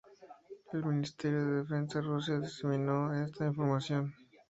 El Ministerio de Defensa de Rusia desmintió esta información.